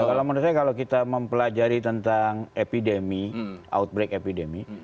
kalau menurut saya kalau kita mempelajari tentang epidemi outbreak epidemi